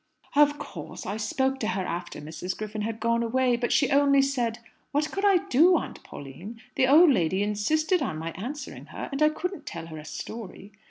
"Of course, I spoke to her after Mrs. Griffin had gone away. But she only said, 'What could I do, Aunt Pauline? The old lady insisted on my answering her, and I couldn't tell her a story.'